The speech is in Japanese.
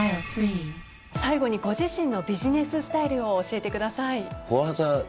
最後にご自身のビジネススタイルを教えてください。